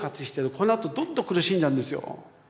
このあとどんどん苦しんだんですよ。